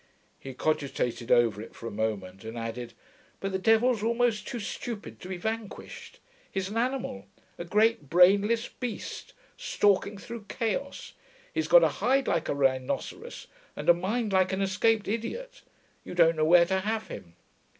He cogitated over it for a moment, and added, 'But the devil's almost too stupid to be vanquished. He's an animal; a great brainless beast, stalking through chaos. He's got a hide like a rhinoceros, and a mind like an escaped idiot: you don't know where to have him.